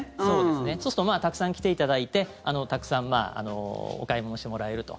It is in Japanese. そうするとたくさん来ていただいてたくさんお買い物してもらえると。